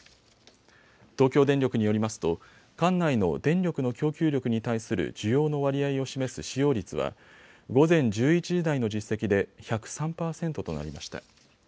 東京電力によりますと管内の電力の供給力に対する需要の割合を示す使用率は午前１１時台の実績で１０３％となりました。